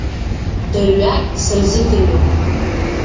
Дырҩагь сырзыӡырҩуан.